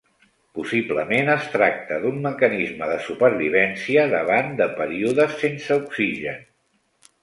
Possiblement es tracta d'un mecanisme de supervivència davant de períodes sense oxigen.